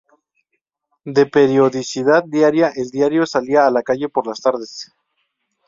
De periodicidad diaria, el diario salía a la calle por las tardes.